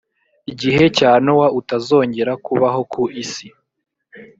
gihe cya nowa utazongera kubaho ku isi